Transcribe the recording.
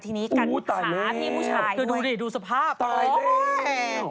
ทีนี้กัดขาพี่ผู้ชายด้วยตายแล้วดูสภาพตายแล้ว